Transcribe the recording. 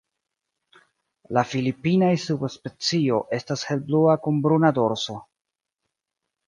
La filipinaj subspecio estas helblua kun bruna dorso.